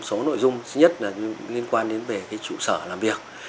một số nội dung nhất liên quan đến chủ sở làm việc